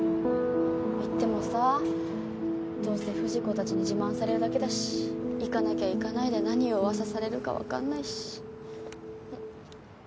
行ってもさどうせ藤子たちに自慢されるだけだし行かなきゃ行かないで何を噂されるかわからないし。